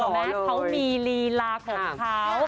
แม้เขามีลีลาของเขา